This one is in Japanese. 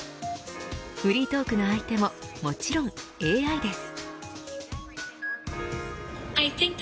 フリートークの相手ももちろん、ＡＩです。